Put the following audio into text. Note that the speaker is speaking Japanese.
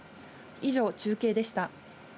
以上、中継でした。